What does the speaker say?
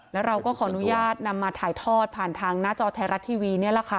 แล้วเราก็ขออนุญาตนำมาถ่ายทอดผ่านทางหน้าจอไทยรัฐทีวีนี่แหละค่ะ